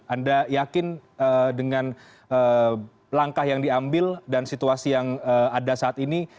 anda yakin dengan langkah yang diambil dan situasi yang ada saat ini